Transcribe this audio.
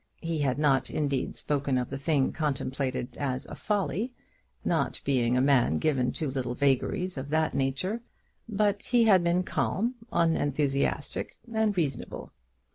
He had not, indeed, spoken of the thing contemplated as a folly, not being a man given to little waggeries of that nature; but he had been calm, unenthusiastic, and reasonable.